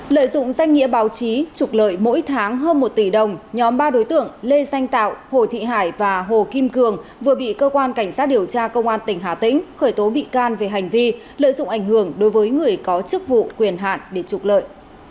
lợi dụng danh nghĩa báo chí trục lợi mỗi tháng hơn một tỷ đồng nhóm ba đối tượng lê danh tạo hồ thị hải và hồ kim cường vừa bị cơ quan cảnh sát điều tra công an tỉnh hà tĩnh khởi tố bị can về hành vi lợi dụng ảnh hưởng đối với người có chức vụ quyền hạn để trục lợi